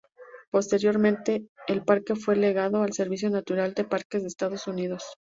Posteriormente, el parque fue legado al Servicio Natural de Parques de Estados Unidos.